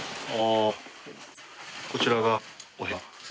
こちらがお部屋。